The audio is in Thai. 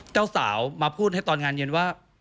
เจ้าสาวมาพูดให้ตอนงานเย็นว่า